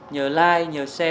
nhờ like nhờ share hộ